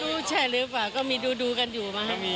ดูใช่หรือเปล่าดูดูกันอยู่มาก